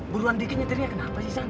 buruan dike nyetirnya kenapa sih san